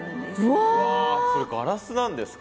うわそれガラスなんですか？